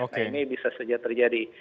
nah ini bisa saja terjadi